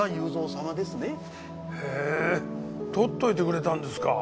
へえ取っといてくれたんですか。